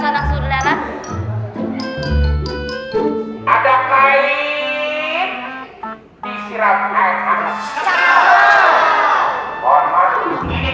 anak saudara ada kain di sirap air